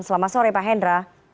selamat sore pak hendra